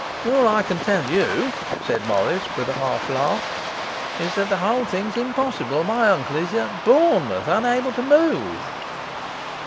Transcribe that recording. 'All I can tell you,' said Morris, with a harsh laugh,' is that the whole thing's impossible. My uncle is at Bournemouth, unable to move.